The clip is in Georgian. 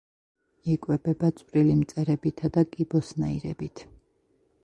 იკვებება წვრილი მწერებითა და კიბოსნაირებით.